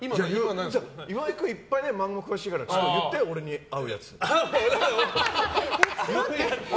岩井君、いっぱい漫画詳しいから言って、俺に合うやつ。